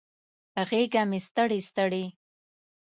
غیږه مې ستړي، ستړي